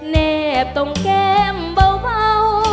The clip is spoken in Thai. แนบตรงแก้มเบา